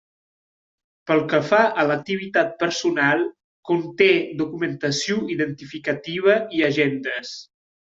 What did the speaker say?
Pel que fa a l'activitat personal, conté documentació identificativa i agendes.